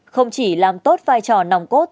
không chỉ làm tốt vai trò nòng cốt